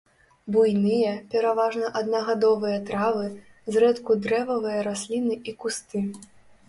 Буйныя, пераважна аднагадовыя травы, зрэдку дрэвавыя расліны і кусты.